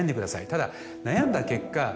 ただ悩んだ結果